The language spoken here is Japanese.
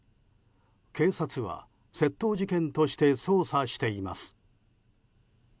警察は窃盗事件として捜査しています。